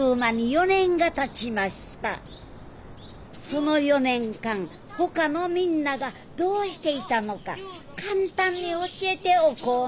その４年間ほかのみんながどうしていたのか簡単に教えておこうねぇ。